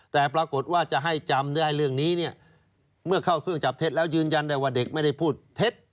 แต่ปรากฏว่าจะให้จำได้เรื่องนี้เนี่ยเมื่อเข้าเครื่องจับเท็จแล้วยืนยันได้ว่าเด็กไม่ได้พูดเท็จ